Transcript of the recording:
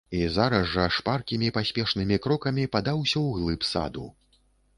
І зараз жа шпаркімі паспешнымі крокамі падаўся ў глыб саду.